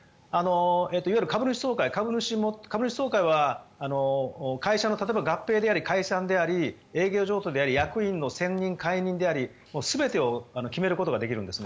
いわゆる株主総会は会社の合併であり解散であり営業譲渡であり役員の選任・解任であり全てを決めることができるんです。